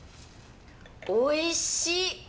おいしい。